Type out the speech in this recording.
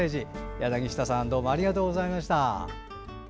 柳下さんどうもありがとうございました。